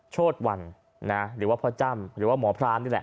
โชธวันนะหรือว่าพ่อจ้ำหรือว่าหมอพรามนี่แหละ